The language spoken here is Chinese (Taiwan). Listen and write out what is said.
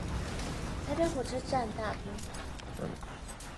台北火車站大廳